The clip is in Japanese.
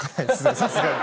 さすがに。